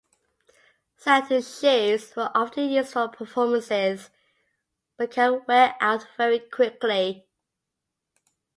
Satin shoes are often used for performances, but can wear out very quickly.